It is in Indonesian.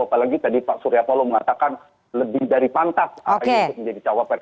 apalagi tadi pak suryapalo mengatakan lebih dari pantas ahaye menjadi cawapres